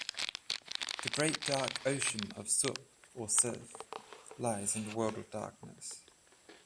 The great dark Ocean of Sup (or Suf) lies in the World of Darkness.